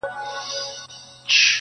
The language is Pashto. دى وايي دا.